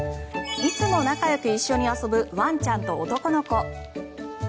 いつも仲よく一緒に遊ぶワンちゃんと男の子。